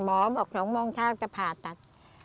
หมอบอก๒โมงเช้าจะผ่าตัด